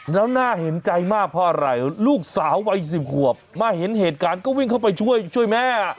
แล้วน่าเห็นใจมากเพราะอะไรลูกสาววัย๑๐ขวบมาเห็นเหตุการณ์ก็วิ่งเข้าไปช่วยแม่